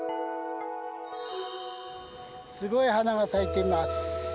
すごい花が咲いています。